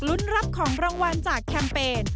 รับของรางวัลจากแคมเปญ